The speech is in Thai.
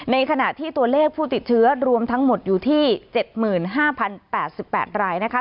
ในขณะที่ตัวเลขผู้ติดเชื้อรวมทั้งหมดอยู่ที่๗๕๐๘๘รายนะคะ